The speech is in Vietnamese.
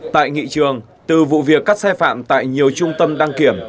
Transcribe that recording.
tại nghị trường từ vụ việc cắt xe phạm tại nhiều trung tâm đăng kiểm